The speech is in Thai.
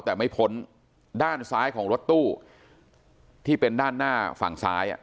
แต่ไม่พ้นด้านซ้ายของรถตู้ที่เป็นด้านหน้าฝั่งซ้าย